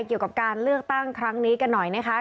เกี่ยวกับการเลือกตั้งครั้งนี้กันหน่อยนะคะ